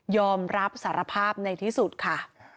อมรับสารภาพในที่สุดค่ะ